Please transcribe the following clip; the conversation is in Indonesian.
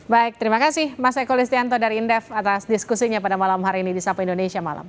baik terima kasih mas eko listianto dari indef atas diskusinya pada malam hari ini di sapa indonesia malam